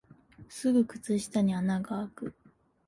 すぐ靴下に穴があく